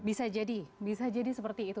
bisa jadi bisa jadi seperti itu